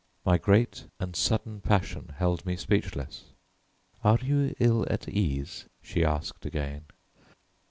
My great and sudden passion held me speechless. "Are you ill at ease?" she asked again.